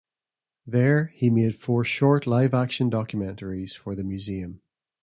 There he made four short live-action documentaries for the museum.